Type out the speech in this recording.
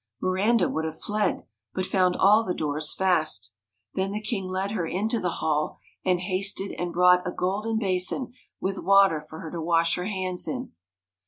Miranda would have fled, but found all the doors fast. Then the king led her into the hall, and hasted and brought a golden basin with water for her to wash her hands in.